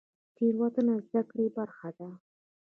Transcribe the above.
تیروتنه د زده کړې برخه ده